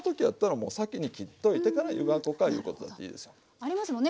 ありますもんね